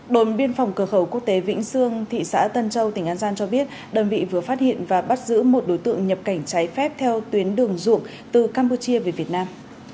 đồn biên phòng cửa khẩu quốc tế vĩnh sương thị xã tân châu tỉnh an giang cho biết đơn vị vừa phát hiện và bắt giữ một đối tượng nhập cảnh trái phép theo tuyến đường ruộng từ campuchia về việt nam